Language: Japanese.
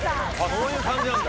そういう感じなんだ。